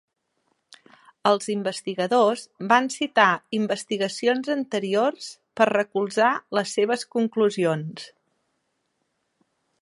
Els investigadors van citar investigacions anteriors per recolzar les seves conclusions.